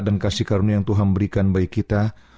dan kasih karunia yang tuhan berikan bagi kita